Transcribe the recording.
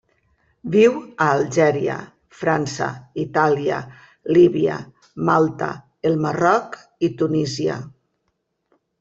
Viu a Algèria, França, Itàlia, Líbia, Malta, el Marroc i Tunísia.